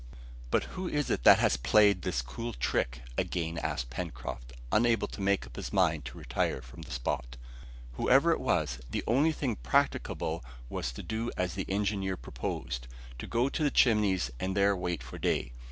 "But who is it that has played us this cool trick?" again asked Pencroft, unable to make up his mind to retire from the spot. Whoever it was, the only thing practicable was to do as the engineer proposed, to go to the Chimneys and there wait for day.